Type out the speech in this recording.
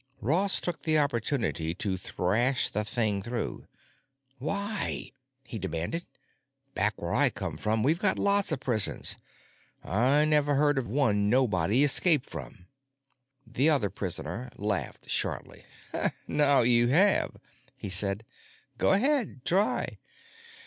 Ross took the opportunity to thrash the thing through. "Why?" he demanded. "Back where I come from we've got lots of prisons. I never heard of one nobody escaped from." The other prisoner laughed shortly. "Now you have," he said. "Go ahead, try.